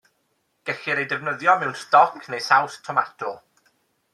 Gellir eu defnyddio mewn stoc neu saws tomato.